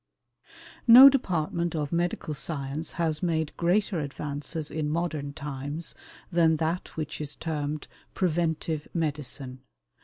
] No department of medical science has made greater advances in modern times than that which is termed "Preventive Medicine."